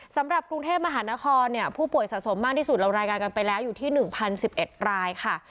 สำหรับกรุงเทพมหานครผู้ป่วยสะสมมากที่สุดเรารายงานกันไปแล้วอยู่ที่๑๐๑๑รายค่ะ